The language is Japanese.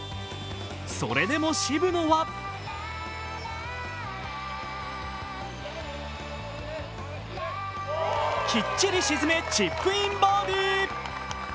それでも渋野はきっちり沈め、チップインバーディー。